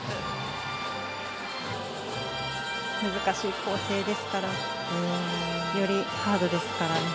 難しい構成ですからよりハードですから。